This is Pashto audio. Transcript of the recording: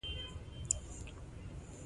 مېز له فکري فعالیت سره مرسته کوي.